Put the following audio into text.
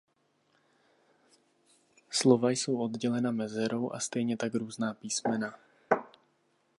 Slova jsou oddělena mezerou a stejně tak různá písmena.